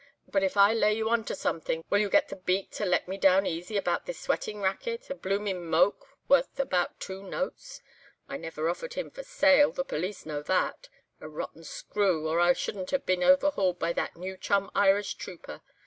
But if I lay you on to something, will you get the Beak to let me down easy about this sweating racket, a bloomin' moke, worth about two notes! I never offered him for sale, the police know that. A rotten screw, or I shouldn't have been overhauled by that new chum Irish trooper.